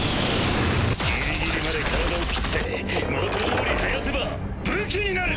ギリギリまで体を斬って元どおり生やせば武器になる！